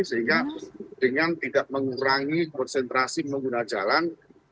sehingga dengan tidak mengurangi konsentrasi pengguna jalan